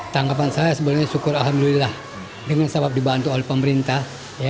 tanggapan saya sebenarnya syukur alhamdulillah dengan sahabat dibantu oleh pemerintah